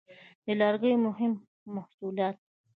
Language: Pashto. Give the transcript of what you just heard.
د لرګیو مهم محصولات: